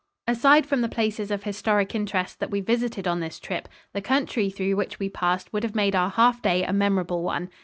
] Aside from the places of historic interest that we visited on this trip, the country through which we passed would have made our half day a memorable one.